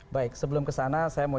baik sebelum kesana saya mau